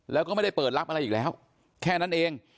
แล้วก็ไม่ได้เปิดรับอะไรอีกแล้วแค่นั้นเอง